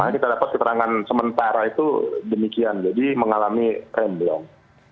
kita dapat keterangan sementara itu demikian jadi mengalami remblong